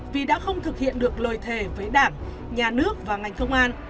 vì đã không thực hiện được lời thề với đảng nhà nước và ngành công an